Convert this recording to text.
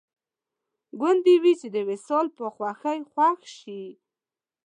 ګوندې وي چې د وصال په خوښۍ خوښ شي